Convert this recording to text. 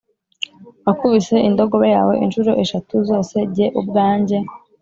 Wakubise indogobe yawe incuro eshatu zose jye ubwanjye